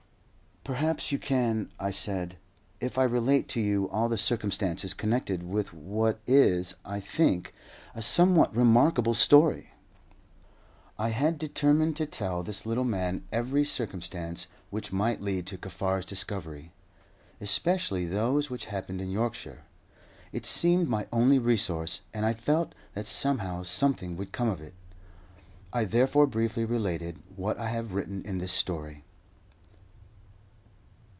"Perhaps you can," I said, "if I relate to you all the circumstances connected with what is, I think, a somewhat remarkable story." I had determined to tell this little man every circumstance which might lead to Kaffar's discovery, especially those which happened in Yorkshire. It seemed my only resource, and I felt, that somehow something would come of it. I therefore briefly related what I have written in this story.